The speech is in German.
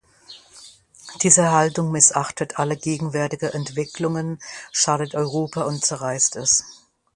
Diese Haltung missachtet alle gegenwärtigen Entwicklungen, schadet Europa und zerreißt es.